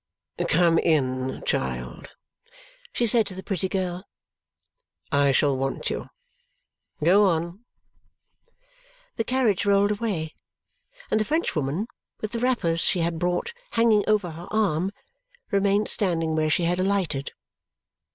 "Come in, child," she said to the pretty girl; "I shall want you. Go on!" The carriage rolled away, and the Frenchwoman, with the wrappers she had brought hanging over her arm, remained standing where she had alighted.